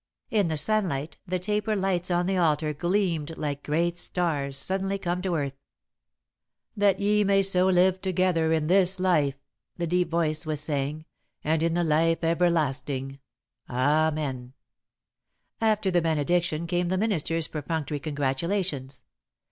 In the sunlight the taper lights on the altar gleamed like great stars suddenly come to earth. "That ye may so live together in this life," the deep voice was saying, "and in the life everlasting. Amen!" [Sidenote: Good byes] After the benediction, came the minister's perfunctory congratulations.